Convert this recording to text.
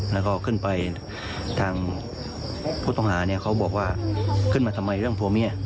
แล้วก็ขึ้นไปทางผู้ต้องหาเนี่ยเขาบอกว่าขึ้นมาทำไมเรื่องผัวเมีย